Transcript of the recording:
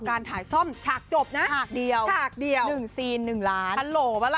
การถ่ายซ่อมฉากจบนะฉากเดียวฉากเดียว๑๔๑ล้านฮัลโหลปะล่ะ